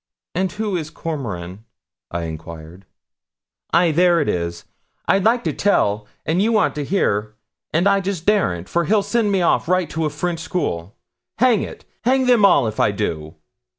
'And who is Cormoran?' I enquired. 'Ay, there it is; I'd like to tell, and you want to hear and I just daren't, for he'll send me off right to a French school hang it hang them all! if I do.'